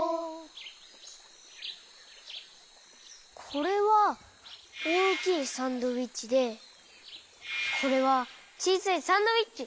これはおおきいサンドイッチでこれはちいさいサンドイッチ。